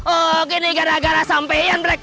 oh gini gara gara sampai black